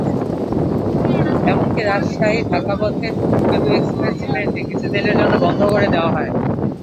এমনকি রাজশাহী-ঢাকাপথের ধূমকেতু এক্সপ্রেস ট্রেনটি কিছুদিনের জন্য বন্ধ করে দেওয়া হয়।